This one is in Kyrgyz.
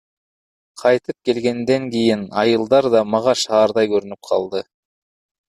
Кайтып келгенден кийин айылдар да мага шаардай көрүнүп калды.